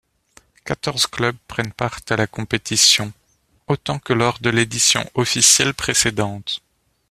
Quatorze clubs prennent part à la compétition, autant que lors de l'édition officielle précédente.